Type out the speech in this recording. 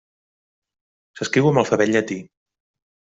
S'escriu amb l'alfabet llatí.